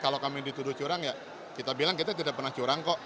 kalau kami dituduh curang ya kita bilang kita tidak pernah curang kok